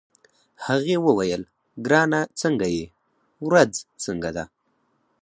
هغې وویل: ګرانه څنګه يې، ورځ څنګه ده؟